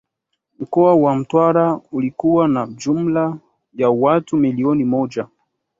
Mkoa wa Mtwara ulikuwa na jumla ya watu millioni moja